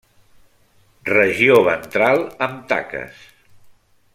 Regió ventral amb taques.